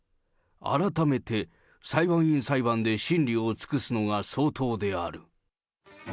改めて裁判員裁判で審理を尽くすのが相当である。